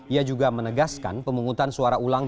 ia juga menegaskan pemungutan suara ulang